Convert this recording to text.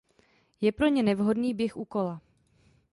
Je pro ně nevhodný běh u kola.